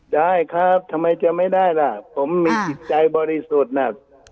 ได้ครับทำไมจะไม่ได้ล่ะผมมีจิตใจบริสุทธิ์น่ะ